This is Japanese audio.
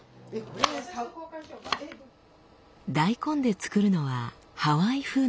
大根で作るのはハワイ風のたくあん。